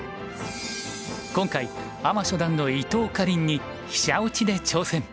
今回アマ初段の伊藤かりんに飛車落ちで挑戦。